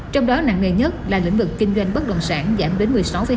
trong đó nặng nghề nhất là lĩnh vực kinh doanh bất đồng sản giảm đến một mươi sáu hai